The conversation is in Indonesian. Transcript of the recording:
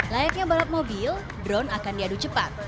layaknya balap mobil drone akan diadu cepat